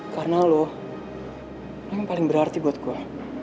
karena lo lo yang paling berarti buat gue